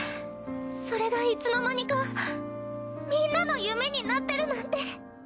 それがいつのまにかみんなの夢になってるなんて。